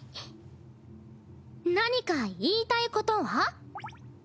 何か言いたいことは？